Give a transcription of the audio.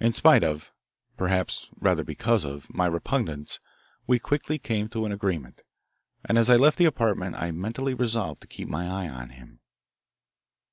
In spite of, perhaps rather because of, my repugnance we quickly came to an agreement, and as I left the apartment I mentally resolved to keep my eye on him.